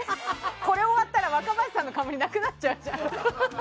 これ終わったら若林さんの冠なくなっちゃうじゃん。